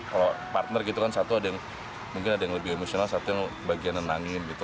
kalau partner gitu kan satu ada yang mungkin ada yang lebih emosional satu yang bagian nenangin gitu